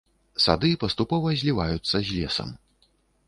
Сады паступова зліваюцца з лесам.